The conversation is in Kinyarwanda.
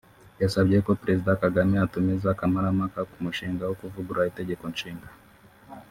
yasabye ko Perezida Kagame atumiza Kamparampaka k’umushinga wo kuvugurura itegekonshinga